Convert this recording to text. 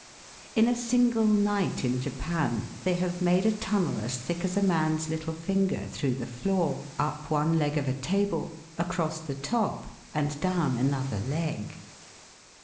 In a single night in Japan they have made a tunnel as thick as a man's little finger through the floor, up one leg of a table, across the top, and down another leg.